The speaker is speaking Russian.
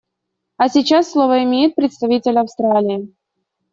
А сейчас слово имеет представитель Австралии.